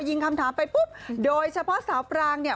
คำถามไปปุ๊บโดยเฉพาะสาวปรางเนี่ย